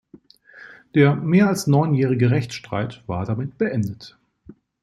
Der mehr als neunjährige Rechtsstreit war damit beendet.